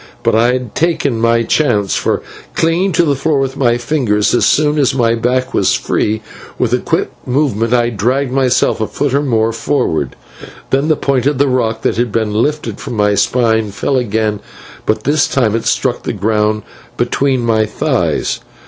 But I had taken my chance, for, clinging to the floor with my fingers, so soon as my back was free, with a quick movement I dragged myself a foot or more forward. Then the point of rock that had been lifted from my spine fell again, but this time it struck the ground between my thighs.